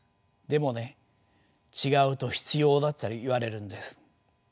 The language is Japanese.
でもね違うと必要だと言われるんです。